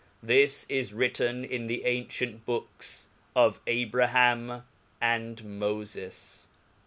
this is written in the ancient books oiZAbraham and Mofes.